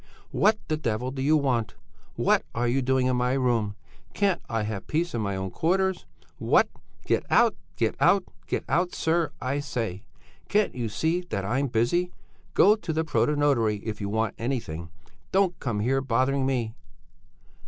'What the devil do you want? What are you doing in my room? Can't I have peace in my own quarters? What? Get out, get out, get out! sir, I say! Can't you see that I'm busy. Go to the protonotary if you want anything! Don't come here bothering me!'